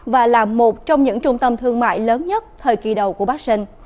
và là một trong những trung tâm thương mại lớn nhất thời kỳ đầu của bắc sơn